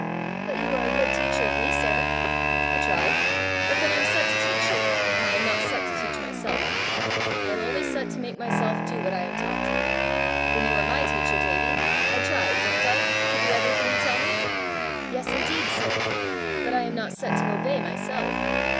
"But you are a good teacher of me, sir!" "I try but then I'm set to teach you, and I am not set to teach myself: I am only set to make myself do what I am taught. When you are my teacher, Davie, I try don't I to do everything you tell me?" "Yes, indeed, sir!" "But I am not set to obey myself!"